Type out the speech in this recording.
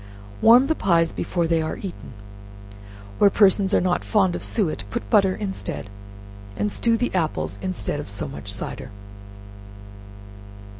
Warm the pies before they are eaten. Where persons are not fond of suet, put butter instead, and stew the apples instead of so much cider.